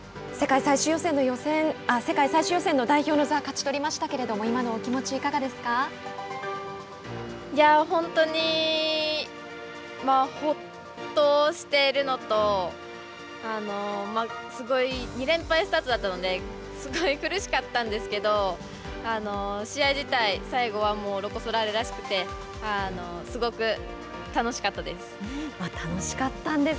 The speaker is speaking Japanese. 代表の座を勝ち取りましたけれども本当に、ほっとしてるのとすごい２連敗スタートだったのですごい苦しかったんですけど試合自体最後はロコ・ソラーレらしくてすごく、楽しかったです。